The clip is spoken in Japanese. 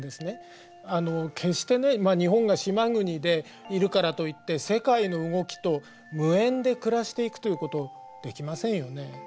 決してね日本が島国でいるからといって世界の動きと無縁で暮らしていくということはできませんよね。